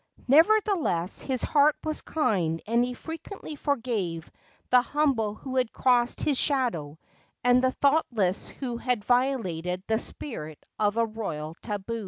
Nevertheless, his heart was kind, and he frequently forgave the humble who had crossed his shadow, and the thoughtless who had violated the spirit of a royal tabu.